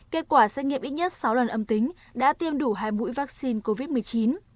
kết quả xét nghiệm ít nhất sáu lần âm tính đã tiêm đủ hai mũi vaccine covid một mươi chín